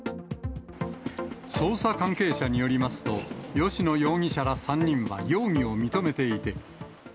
捜査関係者によりますと、吉野容疑者ら３人は容疑を認めていて。